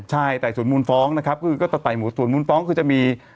ใช่ไต่สวนมูลฟ้องนะครับคือก็จะไต่หมูส่วนมูลฟ้องคือจะมี